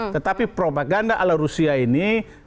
tetapi propaganda ala rusia ini